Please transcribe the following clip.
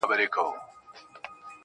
کنې دوى دواړي ويدېږي ورځ تېرېږي